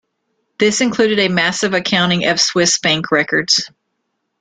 This included a massive accounting of Swiss bank records.